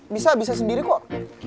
bisa bisa sendiri kok